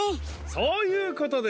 そういうことです。